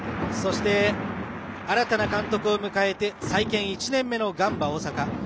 そして、新たな監督を迎えて再建１年目のガンバ大阪。